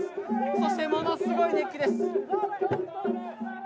そしてものすごい熱気です。